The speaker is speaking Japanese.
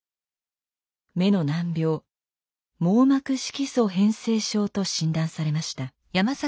目の難病網膜色素変性症と診断されました。